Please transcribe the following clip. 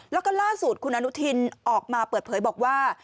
แล้วก็ล่าสุดคุณอนุทินออกมาเปิดเผยบอกว่า